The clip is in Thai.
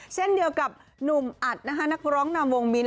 เช่นเดียวกับหนุ่มอัดนะคะนักร้องนำวงมิ้นท